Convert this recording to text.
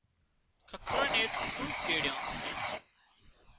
ککرانئي تٽ کوٻ ڪيڙيان